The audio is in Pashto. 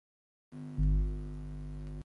زوم، سینګار شوي آسونه، شنې سیمې، د سیند رڼې اوبه